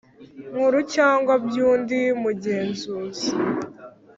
Nkuru cyangwa by undi mugenzuzi